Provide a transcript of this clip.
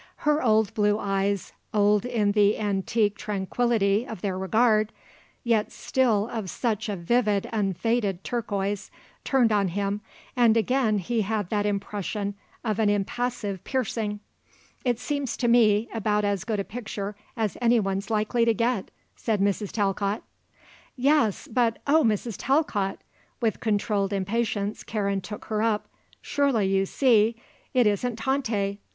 Her old blue eyes, old in the antique tranquillity of their regard, yet still of such a vivid, unfaded turquoise, turned on him and again he had that impression of an impassive piercing. "It seems to me about as good a picture as anyone's likely to get," said Mrs. Talcott. "Yes, but, oh Mrs. Talcott" with controlled impatience Karen took her up "surely you see, it isn't Tante.